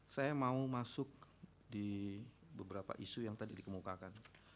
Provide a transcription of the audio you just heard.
saya mau masuk di beberapa isu yang tadi dikemukakan